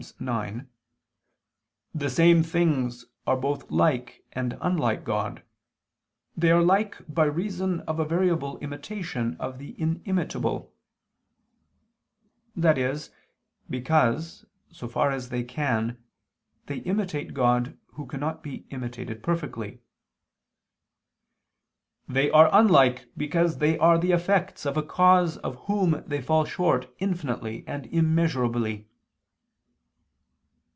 ix) "the same things are both like and unlike God. They are like by reason of a variable imitation of the Inimitable" that is, because, so far as they can, they imitate God Who cannot be imitated perfectly "they are unlike because they are the effects of a Cause of Whom they fall short infinitely and immeasurably."